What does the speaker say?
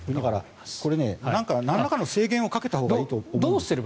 これ、なんらかの制限をかけたほうがいいと思います。